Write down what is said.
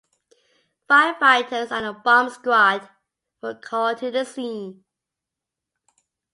Firefighters and a bomb squad were called to the scene.